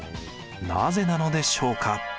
なぜなのでしょうか？